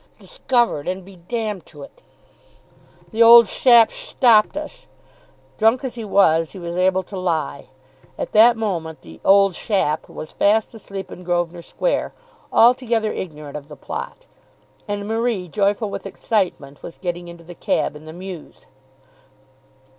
"Discovered, and be d to it! The old shap'sh stopped ush." Drunk as he was, he was able to lie. At that moment the "old shap" was fast asleep in Grosvenor Square, altogether ignorant of the plot; and Marie, joyful with excitement, was getting into the cab in the mews.